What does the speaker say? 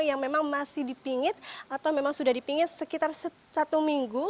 yang memang masih dipingit atau memang sudah dipingit sekitar satu minggu